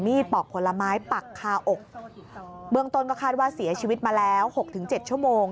มีดปอกผลไม้ปักคาอกเบื้องต้นก็คาดว่าเสียชีวิตมาแล้ว๖๗ชั่วโมง